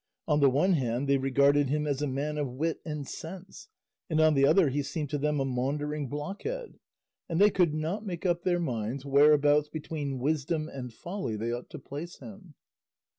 On the one hand they regarded him as a man of wit and sense, and on the other he seemed to them a maundering blockhead, and they could not make up their minds whereabouts between wisdom and folly they ought to place him.